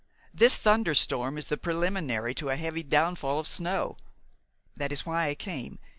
This thunder storm is the preliminary to a heavy downfall of snow. That is why I came.